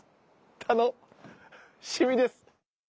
楽しみです。